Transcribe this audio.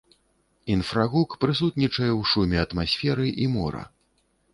Інфрагук прысутнічае ў шуме атмасферы і мора.